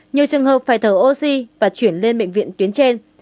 nhiều trường hợp phải thở oxy và chuyển lên bệnh viện tuyến trên